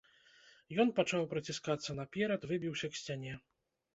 Ён пачаў праціскацца наперад, выбіўся к сцяне.